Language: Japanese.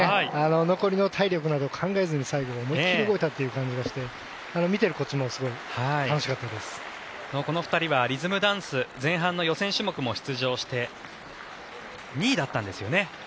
残りの体力など考えずに最後は思い切り動いたという感じがして見ているこちらもこの２人はリズムダンス前半の予選種目も出場して２位だったんですよね。